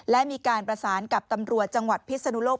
และมีการประสานกับตำรวจจังหวัดพิศนุโลก